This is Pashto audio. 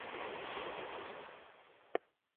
کارمل د افغانستان او ایران د ورورولۍ یادونه وکړه.